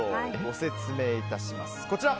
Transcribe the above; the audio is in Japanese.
説明いたします。